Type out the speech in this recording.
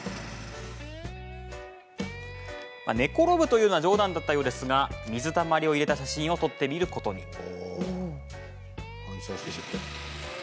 寝転ぶというのは冗談だったようですが水たまりを入れた写真を撮ってみることに。